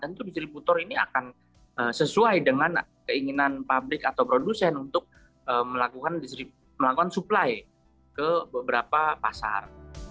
tentu distributor ini akan sesuai dengan keinginan pabrik atau produsen untuk melakukan supply ke beberapa pasar